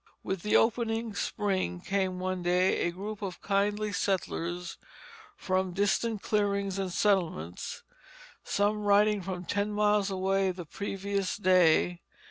With the opening spring came one day a group of kindly settlers from distant clearings and settlements, some riding from ten miles away the previous day.